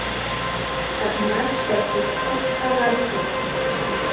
Абни аччархә иҿы бхы шԥанабгеи!